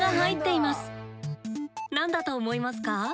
何だと思いますか？